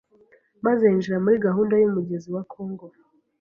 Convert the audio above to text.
maze yinjira muri gahunda y’umugezi wa Congo.